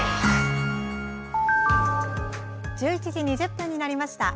１１時２０分になりました。